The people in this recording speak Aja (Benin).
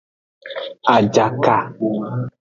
Ajaka.